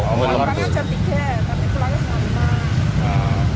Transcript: lembunnya catiga tapi pelangnya sama